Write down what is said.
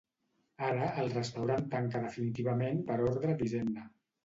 Ara, el restaurant tanca definitivament per ordre d'Hisenda.